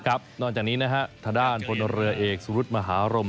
ครับนอนจากนี้นะคะทดาลภูมิเหลือเอกสุรุธมหาโรม